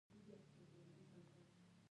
زړه د نیک نیت هنداره ده.